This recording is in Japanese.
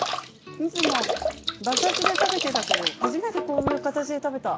いつも馬刺しで食べてたけど初めてこういう形で食べた。